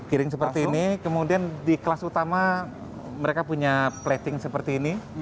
giring seperti ini kemudian di kelas utama mereka punya plating seperti ini